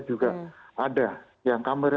juga ada yang kamera